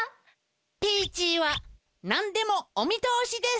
ピーチーはなんでもお見とおしです！